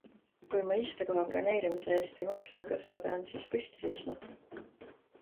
Kui ma istekoha broneerimise eest ei maksa, kas ma pean siis püsti seisma?